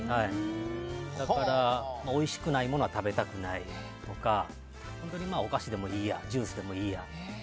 だから、おいしくないものは食べたくないとかお菓子でもいいやジュースでもいいやって。